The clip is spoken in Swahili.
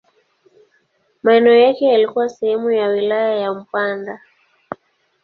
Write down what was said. Maeneo yake yalikuwa sehemu ya wilaya ya Mpanda.